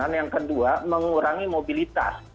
nah ini yang kedua mengurangi mobilitas